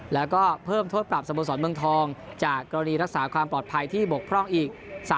แล้วก็เพิ่มโทษปรับสโมสรเมืองทองจากกรณีรักษาความปลอดภัยที่บกพร่องอีก